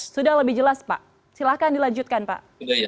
sudah lebih jelas pak silahkan dilanjutkan pak